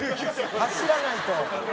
「走らないと」